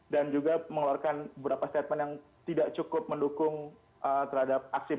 dan juga mengeluarkan beberapa statement yang tidak cukup mendukung terhadap aksi black lives matter atau hak hak kelompok minoritas